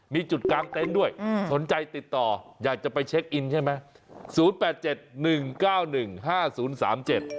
มีจุดการเต็มด้วยสนใจติดต่ออยากจะไปเช็คอินใช่ไหม๐๘๗๑๙๑๕๐๓๗